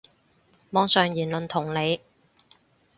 網上言論同理